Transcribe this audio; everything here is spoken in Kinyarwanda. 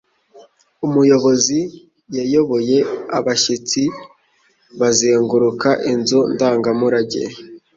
Umuyobozi yayoboye abashyitsi bazenguruka inzu ndangamurage.